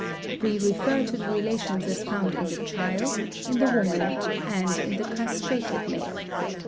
We refer to the relations as found in the child, in the woman, and in the castrated male.